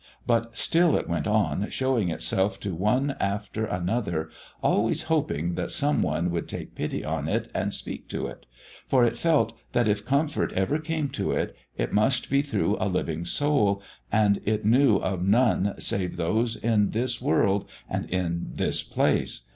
But still it went on showing itself to one after another, always hoping that some one would take pity on it and speak to it, for it felt that if comfort ever came to it, it must be through a living soul, and it knew of none save those in this world and in this place.